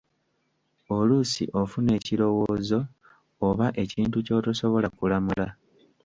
Oluusi ofuna ekirowoozo oba ekintu ky'otosobola kulamula.